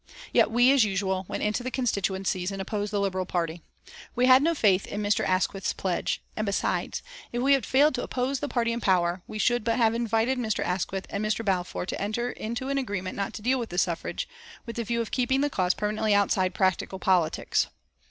Yet we, as usual, went into the constituencies and opposed the Liberal Party. We had no faith in Mr. Asquith's pledge, and besides, if we had failed to oppose the party in power we should but have invited Mr. Asquith and Mr. Balfour to enter into an agreement not to deal with the suffrage, with the view of keeping the cause permanently outside practical politics.